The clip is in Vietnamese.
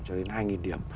cho đến hai điểm